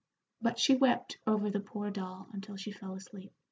But she wept over the poor doll until she fell asleep.